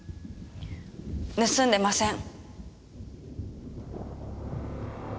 盗んでません。